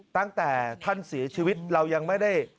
ตั้งแต่ท่านเสียชีวิตเรายังไม่ได้